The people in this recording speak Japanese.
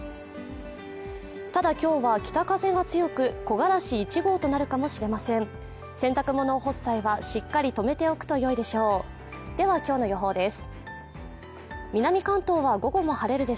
ただきょうは北風が強く木枯らし１号となるかもしれません洗濯物を干す際はしっかり止めておくと良いでしょうではきょうの予報です